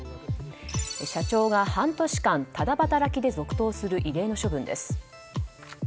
社長が半年間タダ働きで続投する異例の処分です。